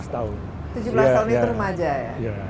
tujuh belas tahun itu remaja ya